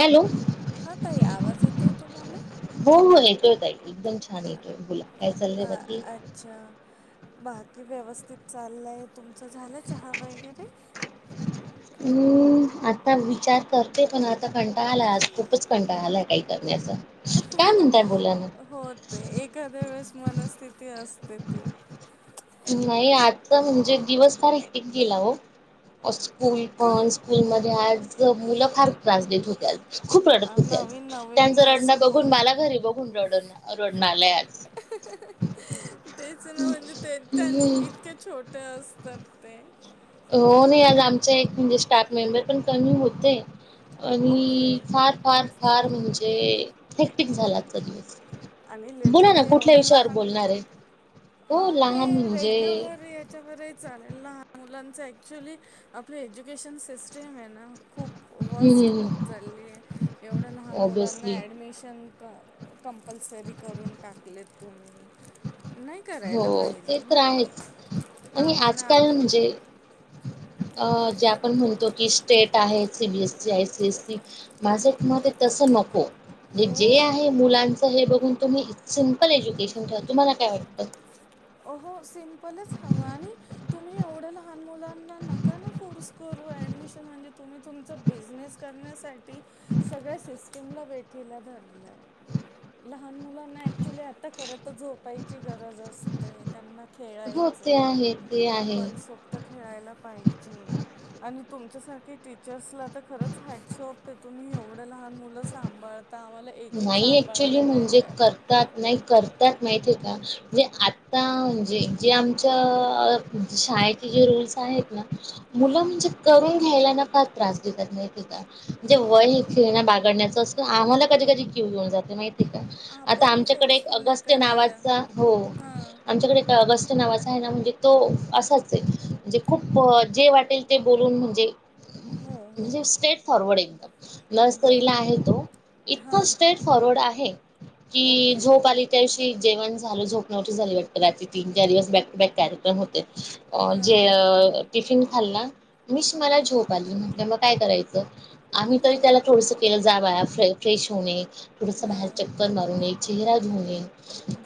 Hello हो हा ताई आवाज येतोय तुम्हाला? त ताई एकदम छान येतोय बोला अ काय चाललय अ- बाकी? अच्छा बाकी व्यवस्थित चाललंय तुमचं झालं चहा वगैरे? हम्म आता विचार करते, पण आता कंटा आलाय आज खूपच कंटाळा आलाय काही करण्याचा. काय म्हणताय बोला ना अहहम होतं एखाद्या वेळेस मनस्थिती असते ती. नाही आजचं म्हणजे दिवस फार एकटिक गेला हो. स्कूल का? पण, स्कूलमध्ये आज मुलं फार त्रास देत होती आज. खूप अ, रडत होती आज नवीन त्यांच नवीन रडण स्कूल बघून मला घरी बघून रड रडणा आलाय आज. हहहह तेच ना म्हणजे त्यां त्यां हम्म इतके छोटे असतात ते. हो नाही आज आमचा एक म्हणजे स्टाफ मेंबर पण कमी होते. ओके आणि फार फार फार म्हणजे थॅक्टिक झाला आचा दिवस. आणि बोला ना लिटरली कुठल्या एवढे विषयावर लहान बोलणार आहे? अ हो लहान हे म्हणजे रेग्युलर याच्यावर चालेल लहान मुलां ऍक्च्युली आपल्या एज्युकेशन सिस्टीमेय ना खूप वर्स्ट हम्म होत चाललीय एवढं लहान मुलांना ऑब्विसली ॲडमिशन क कंपल्सरी करून टाकले तुम्ही. हो करायला पाहिजे ते तर ना आहेच आणि आपण आजकाल आपलं म्हणजे अ जे आपण म्हणतो की स्टेट आहे सी-बी-एस-सी आय सी-एस-सी माझं एक मतये तस नको. हे जे हो आहे मुलांच हे बघ प तुम्ही सिम्पल एज्युकेशन ठेवा. तुम्हाला काय वाटतं? हो सिमपलच हवं आणि तुम्ही एवढ्या लहान मुलांना नका ना फोर्स करू ऍडमिशन म्हणजे तुम्ही तुमच बिझनेस रण्यासाठी सगळ्या सिस्टीमला वेठीला धरलय. लहान मुलांना ऍक्च्युली आता खर तर झोपायची गरज असते. त्यांना हो ते खेळायचं आहे ते आहे मनसोक्त खेळायला पाहिजे आणि तुमच्यासाठी की टीचर्सला तर खरंच हॅटसोपते तुम्ही एवढं लहान मुलं सांभाळ नाही ऍक्च्युली म्हणजे करतात नाही करतात नाही ते का जे आता म्हणजे जे आमच्या शाळेचे जे रूल्स आहेत हम्म मुलं हम्म म्हणजे करून घ्यायला ना फार त्रास देतात नाही म्हणजे हो. वय हे खेळण्या बागडण्याचं अस आम्हाला कधी कधी क्यू घेऊन जाते मा आता आपण आमच्याकडे फोर्सफुली अगस्त करायला नावाचा हो हां. आमच्याकडे एक अगस् नावाचा आहे ना म्हणजे तो असाच आहे म्हणजे खूप जे वाटेल ते बोलून म्हणजे हो, हो. म्हणजे स्ट्रेट फॉरवर्ड एकदम नर्सकरीला आहे बरोबर. तो इतक हां, हां. स्ट्रेट फॉरवर्ड आहे की ओके. झोपा आली त्यादिवशी जेवण झालं, झोप झाली नव्हती वाटत रात्री तीन चार दिवस बॅक टू बॅक कार्यक्रम होते. अ हां, जे हां. टिफिन खाल्ला मिश मला झोप आली म्हण मग काय करायचं आम्ही तरी हं, त्याला थोडस केलं जा बाळा फ्रेश होऊन ये. थोडस बाहेर हां. चक्कर मारून न चेहरा धुवून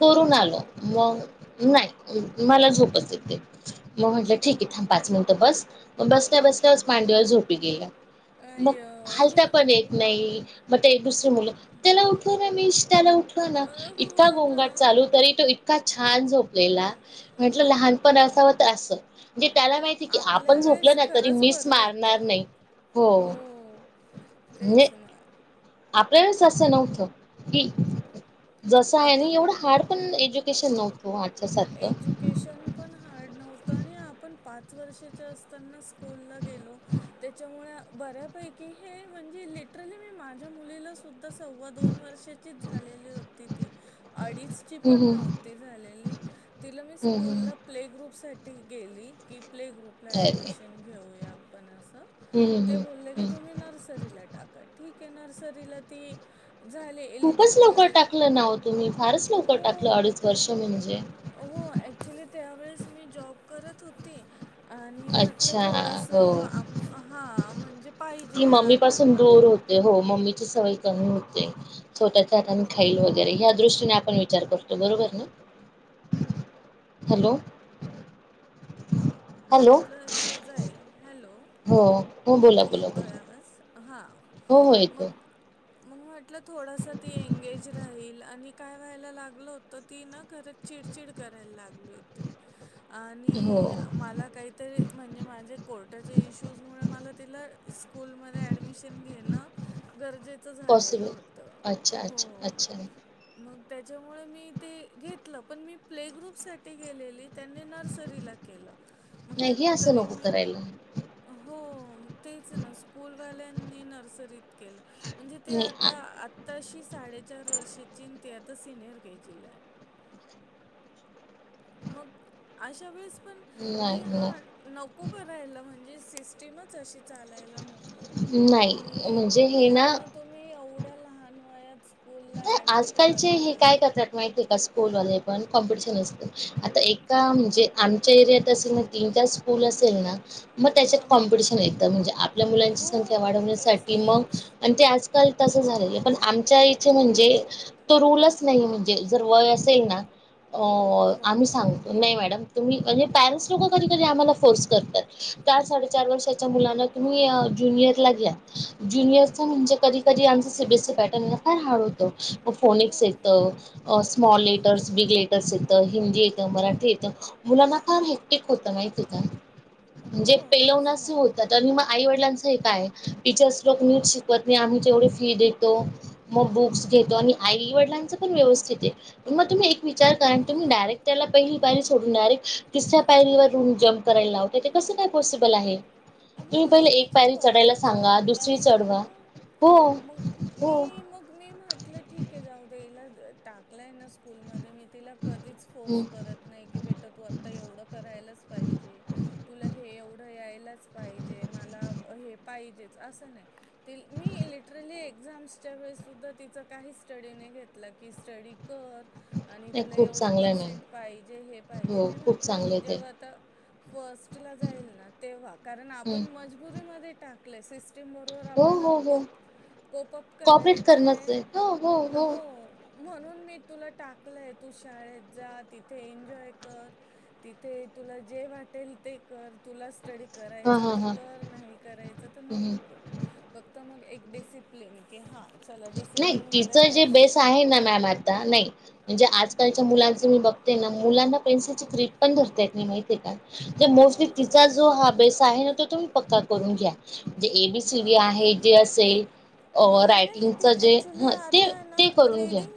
करून आलो मग नाही मला झोपच येते मग म्हटलं ठीक आहे थांब पाच मिनिटं बस. बसता बसताच मांडीवर झोपी गेल्या मग अय्यो! हालता पण येत नाही. मग दुसरे मुलं त्याला उठवा ना मिस त्याला उठवा ना अ, हो इतका ना. गोंगाट चालू तरी तो इतका छान झो ललेला. म्हटलं लहानपण असावत असं म्हणे त्याला माहितीय की आपण झोपलं ना तरी मिस मारणार तर नाही हो. तेच ना, आपल्या वेळेस अस नव्हत. की जस आहे ना एवढं आपण हार्ड पण एज्युकेशन नव्हत. एज्युकेशन पण हार्ड नव्हतं आणि आपण पाच वर्षाच्या असतानाच. स्कूल लं गेलो त्याच्यामुळे बऱ्यापैकी हे म्हणजे लिटरली मी माझ्या मुलीला सुद्धा सव्वा दोन वर्षाचीच झालेली होती ती अडीचची पण हम्म हम्म नव्हती झालेली तिला मी हम्म स्कूल हम्म ला प्ले ग्रुप ग्रुप साठी गेली की प्ले ग्रुपला अरे ऍडमिशन घेऊया आपण अस हम्म ते हम्म बोलल्या की हम्म तुम्ही नर्सरीला टाका ठीक आहे. नर्सरीला ती झाले खूपच लवकर एलिजिबल टाकलं नाव तुम्ही फारच लवकर टाकलं हो अडीच वर्ष म्हणजे हो ऍक्चुली त्यावेेळेस मी जॉब करत होती. आणि म्हटलं अच्छा थोडस हो आप हा म्हणजे पाहिजे आणि ते हो मम्मी सवय कमी होते छोट्या हाताने खाईल वगैरे या् दृष्टीने आपण विचार करतो बरोबर ना ह हॅलो, हॅलो. म्हटलं हि जाईल. हॅलो, हो हो बोला बोला बोला हा हो हो येतो. मग म्हटलं थोडसा ती एंगेज राहील आणि काय व्हायला लागलं होत ती ना घर चिडचिड करायला लागली होती. हो आणि मला काहीतरी म्हणजे माझे कोर्टाच्या इश्यूज मुळ मला तिला स्कूलमध्ये ऍडमिशन घेण. गरजेचं झालेलं पॉसिबल. होत अच्छा हो अच्छा अच्छा मग त्याच्यामुळे मी ते घेतलं पण मी प्ले ग्रुप साठी गेलेली त्यांनी नर्सरीला केलं मग नाही त्यांना असं तरी नको मी करायला. हो तेच ना स्कूलवाल्यांनी नर्सरीत केलं म्हणजे ते आता आ तशी साडेचार वर्षेची आता सिनियर केजीला आहे. मग अशा वेळेस पण कि नाही हा नाही नको करायला म्हणजे. सिस्टमच अशी चालायला नको नाही. की म्हणजे हे ना मुलांना तुम्ही एवढ्या लहान वया आजकालचे हे काय करतात माहितीय का स्कूल वाले पण कॉम्पिटिशन असत आता एका म्हणजे आमच्या एरियात असेल ना तीन चार स्कूल असेल ना मग त्याच्यात हां हां कॉम्पिटिशन एकद म्हणजे आपल्या मुलांची हो संख्या तेच वाढवण्यासाठी मग तेच आणि ते आज ल तस झालंय पण आमच्या इ म्हणजे तो रूलच नाही म्हणजे जर वय असेल ना, अ आम्ही बरोबर सांगतो नाही मॅडम, तुम्ही म्हणजे पॅरेंट्स लोक कधीकधी आम्हाला फोर्स करतात चार साडेचार वर्षाच्या मुलांना तुम्ही अ ज्युनियर ला घ्या ज्युनियरचा म्हणजे कधी कधी आमचा सीबीएसी पॅटर्न फार हार्ड होतो. हो फोनिक्स येतं स्मॉल लेटर्स बिग लेटर्स येतं हिंदी येतं मराठी येतं. बरोबर मुला ना काम होत माहिती हो का हो म्हणजे तेच पेलवणास ना होता तर मग आई वडिलांच काय टीचर्स लोक नीट शिकवत नाही. आम्ही तेवढी फी देतो. मग बुक्स घेतो आणि आई वडिलांचा पण व्यवस्थित आहे मग तुम्ही एक विचार करा तुम्ही डायरेक्ट त्याला पहिली पायरी सोडूने तिसऱ्या पायरीवर रुम जम्प करायला लावत ते कसं काय पॉसिबल आहे आणि पहिले तुम्ही एक त्याच्या पायरी चढायला वयाचा सांगा दुसरी अंदाज घ्या चढवा ना हो मग हो मी मग मी म्हटलं ठीक आहे जाऊ द्याला टाकलंय नस स्कूलमध्ये मी तिला कधीच फोर्स करत नाही की बेटा तू आत्ता एवढं करायलाच पाहिजे. तुला हे एवढं यायलाच. पाहिजे मला हे पाहिजेत अस नाही मी लिटरली एक्झाम च्या वेळी सुद्धा तिझ काहीच स्टडीज नाही घेतल की स्ट कर आणि तुला खूप एवढे चांगलं नाही पर्सेंट पाहिजे हे पाहिजे हो मी खूप म्हटलं हि चांगले ते जेव्हा आता फर्स्ट ला जाईल ना. तेव्हा कारण आपण हम्म. मजबुरीमध्ये टाकलय. सीस बरोबर हो आपल्याला हो हो कोप कोपप कॉपरेट करणच करायचंय आहे हो हो म्हणून मी तुला टाकलंय तू शाळेत जा तिथे एन्जॉय कर तिथे तुला जे वाटेल ते कर तुला स्टडी हा करायचा हा तर हा कर नाही करायच तर हम्म. नको करू फक्त मग एक डिसिप्लिन कि हा नाही तिच जे बेस आहे ना शिकतं मॅम आता नाही म्हणजे आजकाल मुलांचे मी बघते ना मुलांना पेन्सिलीची क्र्रीप पण धरता येत नाहीत मी माहिती आहे का तर मोस्टली हो तिचा जो हा बेस् आहे ना त तुम्ही पक्का करून घ्या. एबीसीडी व आहे जे असेल अ, अ नाही रायटिंगच ती जे ॲक्चुली ह ते आता ना ते करून घ्या रीडिंग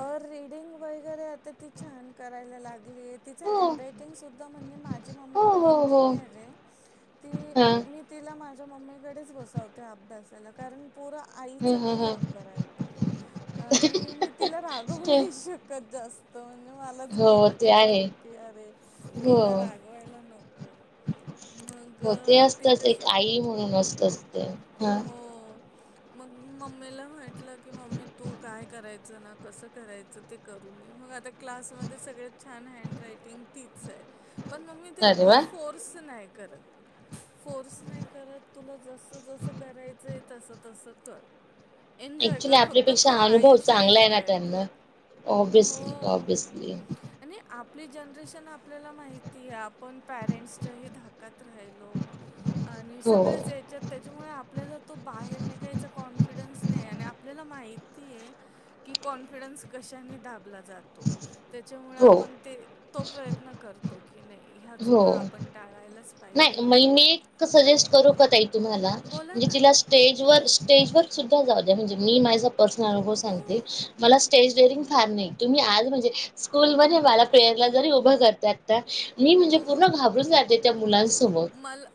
अ री डिंग वगैरे आता ती छान करायला लागली तिझ हो हॅन्डराइन्टिग सुद्धा म्हणजे माझी मम्मी हो पण हो हो इंजिनिअर आहे. ती हा मी तिला माझ्या मम्मीकडेच बसवते. अभ्यासाला कारण पोरं आईच ह ह नाही ह लवकर ऐकत आणि मी तिला रागावू ते नाही शकत जास्त म्हणजे मलाच हो गिल्ट ते येत आहे की अरे मी हो हिला रागवायला नको. मग हो ते अ, ती असतच एक कसं आई म्हणून असत ते हा हो. मग मम्मीला म्हटलं की मम्मी तू काय करायचं ना कस करायचं ते करू आ क्लास सगळ्यात छान हॅन्डरायन्टिग तिच आहे पण मग मी तिला अरे खूप वा फोर्स नाही करत फोर्स नाही करत तुला जस त जस करायचंय तस तस कर एनजॉय ऍक्च्युली कर फक्त तू आपल्यापेक्षा आयुष्य एन्जॉय कर ओबीयसली हो. ओबीयसली आणि आपली जनरेशन आपल्याला माहिती आहे. आपण पॅरेंट्सच्याही धाकत राहिलो आणि हो सगळ्याच याच्यात त्याच्यामुळे आपल्याला तो बाहेर निघायचा कॉन्फिडन्स नाही आणि आपल्याला माहीत की कॉन्फिडन्स कशाची दाबला जा - जातो त्याच्यामुळे हो आपण ते तो प्रयत्न करतो की नाही ह्या हो चुका आपण टाळायलाच नाही पाहिजे. मी एक सजेस्ट करू का ताई तुम्हाला बोला म्हणजे ना. तिला स्टेज व स्टेज वर सुद्धा जाऊ द्या म्हणजे मी माझा पर्सनल अनुभव हो, सांगते मला स्टेज डेअरिंग फार नाही तुम्ही आज म्हणजे स्कूल मध्ये मला प्रेअरला जरी उभं करतात ना मी म्हणजे पूर्ण हो. घाबरून जाते त्या मुलांस मला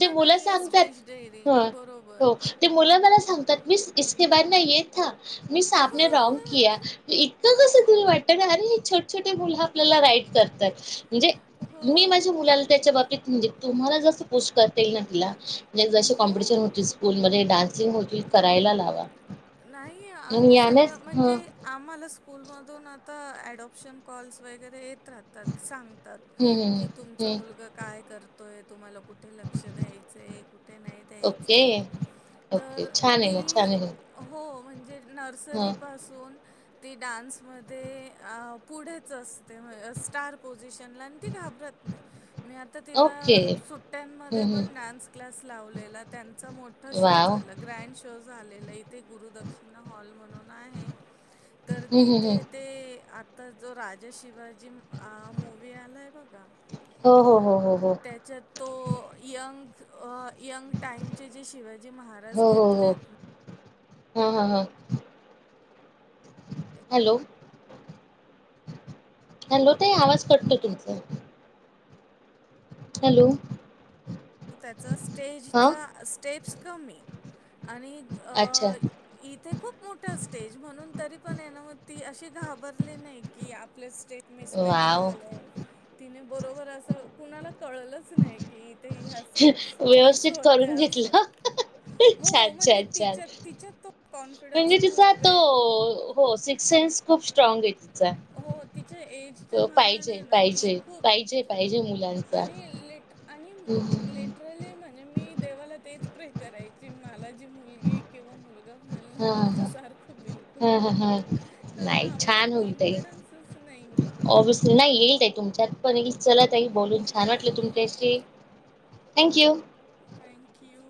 ते मु नाही आहे सांगतात स्टेज डेअरिंग. बरोबर. ते मु म स [unintelligible] स बा ना य मिस आपने रॉग इतका का [unintelligible] अरे छोटं, छोटं, मुलं आपल्याला राईट करतात. मी माझ्या हो. मुलाला त्याच्या बाबतीत, म्हणजे तुम्हाला जस पोस् करतेल ना तिला नेक्ट जशी हो. कॉम्पिटिशन होतील, स्कूल मध्ये डान्सिंग होतील, करायला लावा. नाही, आणि आम्ही सगळ यानेच ह म्हणजे आम्हाला स्कूल मधून आता अँडाँप्शन काँल वगैरे येत ात, सांगतात, हम्म हम्म की तुमचा हम्म मुलगा काय करतोय तुम्हाला कुठे लक्ष द्यायचंय? कुठे नाही ओके द्यायचंय? ओके तर छान आहे ती ना छान आहे हो म्हणजे नर्सरी ह पासून डानस मधे पुढ अस स्टार ती घाबरत नाही, मी आता तिला ओके हम्म सुट्ट्यांमध्ये पण हम्म डान्स क्लास ला लावलेला, त्यांचा मोठा शो वाव झाला ग्रँड शो झालेला, इथे गुरुदक्षिणा हॉलमध्ये म्हणून आहे, तर हम्म हम्म हम्म तिथे ते आता जो राजा शिवा जी मोव्ही आलाय बघा? हो हो हो हो हो त्याच्यात तो यंग यंग टाइमचे जे शिवाजी महाराज हो हो हो घेतलेत. हा, हा, हा. हॅलो? हँलो ताई आवाज कटतोय तुमचा हॅलो? त त्याचा हा स्टेजचा स्टेप्स कमी आणि अच्छा अ श इथे खूप मोठ स्टेज म्हणून तरी पण ती अ घाबरले नाही की, आपले स्टेट मिसमॅच वाव झालंय तिने बरोबर अस. कुणाला कळलच नाही की, इथे ह्या स्टेप्स मिस होते, अस. अच्छा, अच्छा, अच्छा, तो म्हणजे कॉन्फिडन्स तिचा खूप तो आहे हो सिक्स सेंन्स खूप स्ट्राग आहे. तिचा हो, तिच तो पाहिजे पाहिजे पाहिजे पाहिजे मुलांचा हम्म. तिच्या [unintelligible] म्हणजे मी देवा तेच प्रे करायची मला जी मुलगी कींवा मुलगा होईल हा ना, हा माझ्यासारखं बिलकूल हा हा नको, कारण आपल्यात कोण [unintelligible] ऑबीयसली नाही येईल तुमच्यात पण, चला ताई बोलून छान वाटलं, तुमच्याशी थँंक यू. Thank you.